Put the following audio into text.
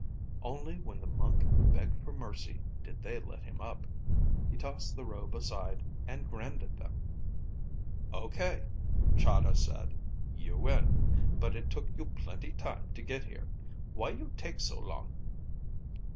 Only when the monk begged for mercy did they let him up. He tossed the robe aside and grinned at them. "Okay," Chahda said. "You win. But it took you plenty time to get here! Why you take so long?"